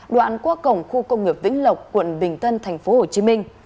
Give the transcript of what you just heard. đoạn qua cổng khu công nghiệp vĩnh lộc quận bình thân tp hcm